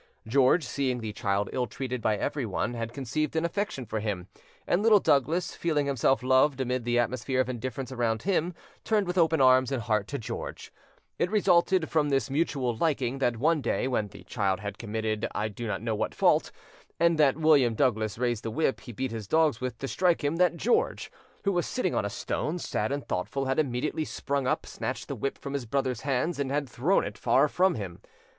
George, seeing the child ill treated by everyone, had conceived an affection for him, and Little Douglas, feeling himself loved amid the atmosphere of indifference around him, turned with open arms and heart to George: it resulted from this mutual liking that one day, when the child had committed I do not know what fault, and that William Douglas raised the whip he beat his dogs with to strike him, that George, who was sitting on a stone, sad and thoughtful, had immediately sprung up, snatched the whip from his brother's hands and had thrown it far from him.